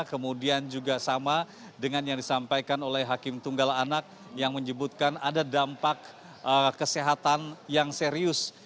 kemudian juga sama dengan yang disampaikan oleh hakim tunggal anak yang menyebutkan ada dampak kesehatan yang serius